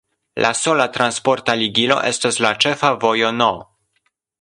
La sola transporta ligilo estas la ĉefa vojo No.